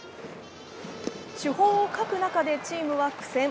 主砲を欠く中でチームは苦戦。